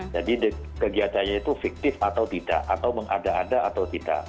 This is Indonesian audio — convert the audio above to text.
jadi kegiatannya itu fiktif atau tidak atau mengada ada atau tidak